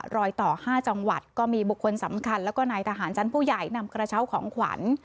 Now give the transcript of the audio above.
รอยต่อ๕จังหวัดก็มีบุคคลสำคัญแล้วก็นายทหารชั้นผู้ใหญ่นำกระเช้าของขวัญ